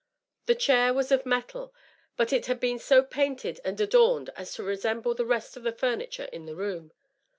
The chair was of metal, but it had been so painted and adorned as to resemble the rest of the fomiture in the room.